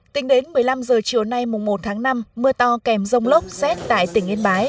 tính đến một mươi năm giờ chiều nay mùa một tháng năm mưa to kèm dông lốc xét tại tỉnh yên bái